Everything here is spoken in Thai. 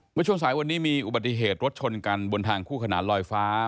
เมื่อช่วงสายวันนี้มีอุบัติเหตุรถชนกันบนทางคู่ขนานลอยฟ้า